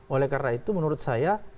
oleh karena itu menurut saya